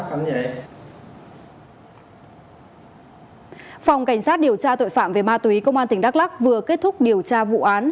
phòng cảnh sát điều tra tội phạm về ma túy công an tỉnh đắk lắc vừa kết thúc điều tra vụ án